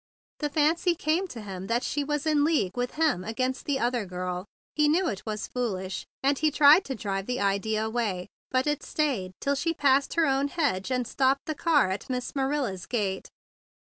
The fancy came to him that she was in league with him against the other girl. He knew it was foolish, and he tried to drive the idea away; but it stayed till she passed her own hedge and stopped the car at Miss Manila's gate.